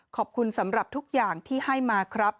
ขอบคุณสำหรับทุกอย่างที่ให้มาครับ